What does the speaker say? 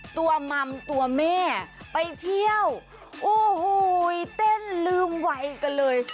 มัมตัวแม่ไปเที่ยวโอ้โหเต้นลืมวัยกันเลย